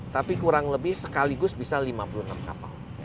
tapi kurang lebih sekaligus bisa lima puluh enam kapal